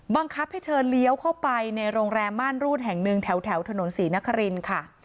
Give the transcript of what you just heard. บังคับให้เธอเลี้ยวเข้าไปในโรงแรมม่านรูดแห่งหนึ่งแถวถนนศรีนครินค่ะ